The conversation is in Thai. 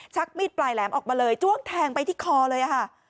มีดปลายแหลมออกมาเลยจ้วงแทงไปที่คอเลยค่ะ